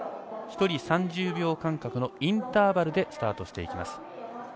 １人３０秒間隔のインターバルでスタートしていきます。